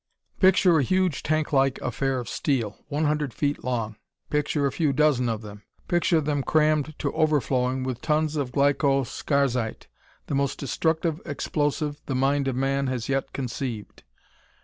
"Picture a huge tanklike affair of steel, one hundred feet long. Picture a few dozen of them! Picture them crammed to overflowing with tons of glyco scarzite, the most destructive explosive the mind of man has yet conceived.